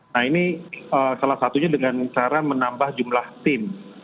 nah ini salah satunya dengan cara menambah jumlah tim